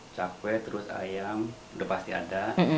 cakwe terus ayam udah pasti ada